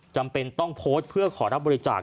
จำเป็นต้องโพสต์เพื่อขอรับบริจาค